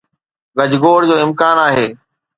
گجگوڙ جو امڪان آهي